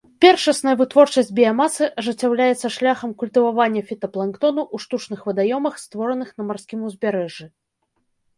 Першасная вытворчасць біямасы ажыццяўляецца шляхам культывавання фітапланктону ў штучных вадаёмах, створаных на марскім узбярэжжы.